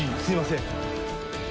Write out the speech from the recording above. すいません。